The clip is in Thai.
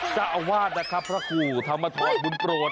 เจ้าอาวาสนะครับพระครูธรรมธรบุญโปรด